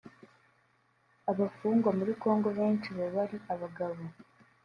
Abafungwa muri Congo benshi baba ari abagabo